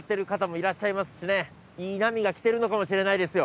いい波が来てるのかもしれないですよ。